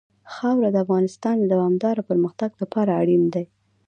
خاوره د افغانستان د دوامداره پرمختګ لپاره ډېر اړین دي.